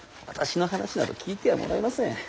私の話など聞いてはもらえません。